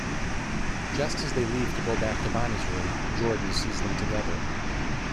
Just as they leave to go back to Bonnie's room, Jordan sees them together.